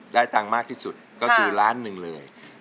ได้ตังค์มากที่สุดก็คือล้านหนึ่งเลย